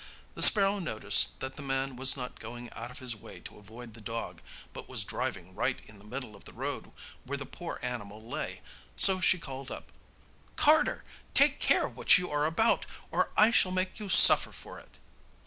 The sparrow noticed that the man was not going out of his way to avoid the dog, but was driving right in the middle of the road where the poor animal lay; so she called out: 'Carter, take care what you are about, or I shall make you suffer for it.